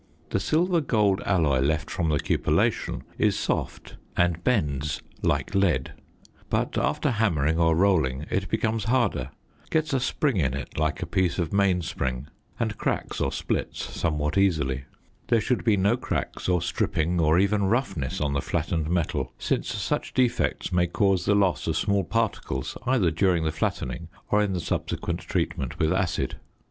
The silver gold alloy left from the cupellation is soft and bends like lead; but after hammering or rolling it becomes harder, gets a spring in it like a piece of mainspring and cracks or splits somewhat easily. There should be no cracks or stripping or even roughness on the flattened metal, since such defects may cause the loss of small particles either during the flattening or in the subsequent treatment with acid.